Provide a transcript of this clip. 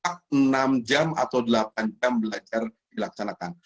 tidak mutlak enam jam atau delapan jam belajar dilaksanakan